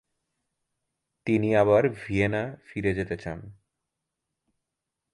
তিনি আবার ভিয়েনা ফিরে যেতে চান।